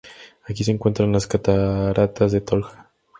Aquí se encuentran las cataratas del Toja.